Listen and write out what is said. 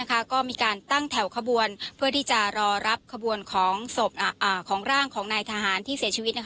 ก็มีการตั้งแถวขบวนเพื่อที่จะรอรับขบวนของร่างของนายทหารที่เสียชีวิต